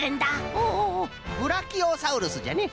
ほうブラキオサウルスじゃね。